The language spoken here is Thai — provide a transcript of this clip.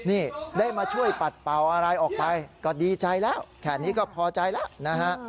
นี่ได้มาช่วยปัดเป่าอะไรออกไปก็ดีใจแล้วแค่นี้ก็พอใจแล้วนะฮะ